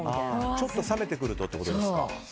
ちょっと冷めてくるとってことですか。